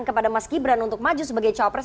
kepada mas gibran untuk maju sebagai cowok pres